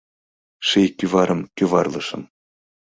Ший кӱварым кӱварлышым.